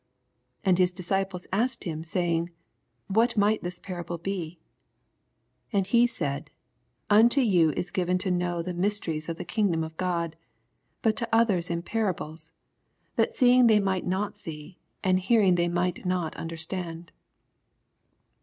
9 And his disciples asked him, say ing. What might this parable be ? 10 And he said, Unto vou it is given to know the mysteries of the kingdom of God : but to others in parables ; that seeing they might not see, and hearing they might not understand.